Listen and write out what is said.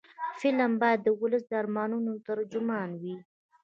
فلم باید د ولس د ارمانونو ترجمان وي